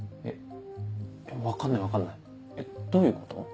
え分かんない分かんないどういうこと？